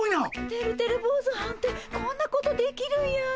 てるてる坊主はんってこんなことできるんやねえ。